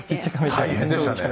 大変でしたね。